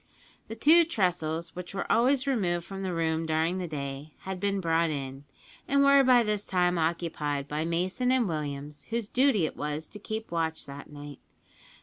The two tressels, which were always removed from the room during the day, had been brought in, and were by this time occupied by Mason and Williams, whose duty it was to keep watch that night.